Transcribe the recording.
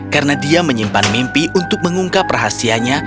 karena dia menyimpan mimpi untuk mengungkap rahasianya